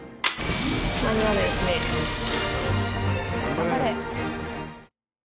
頑張れ！